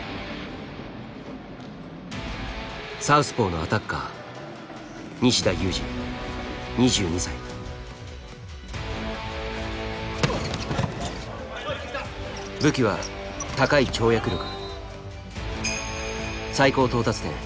サウスポーのアタッカー武器は高い跳躍力。